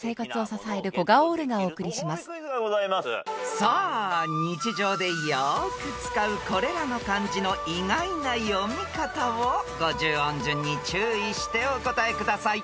［さあ日常でよく使うこれらの漢字の意外な読み方を５０音順に注意してお答えください］